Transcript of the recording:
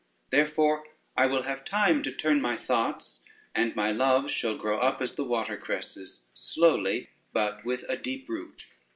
Therefore I will have time to turn my thoughts, and my loves shall grow up as the watercresses, slowly, but with a deep root.